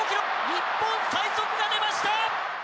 日本最速が出ました！